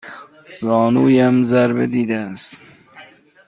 زانویم ضرب دیده است.